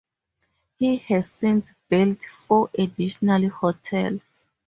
He has since built four additional hotels.